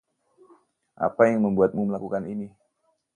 Apa yang membuatmu melakukan ini?